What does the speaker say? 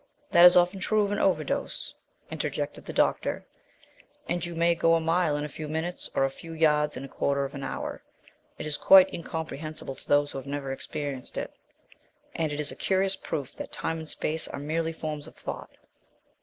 "That is often true of an overdose," interjected the doctor, "and you may go a mile in a few minutes, or a few yards in a quarter of an hour. It is quite incomprehensible to those who have never experienced it, and is a curious proof that time and space are merely forms of thought."